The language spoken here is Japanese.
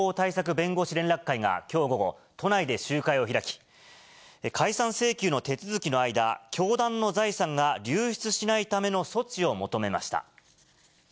弁護士連絡会がきょう午後、都内で集会を開き、解散請求の手続きの間、教団の財産が流出しないための措置を求めました。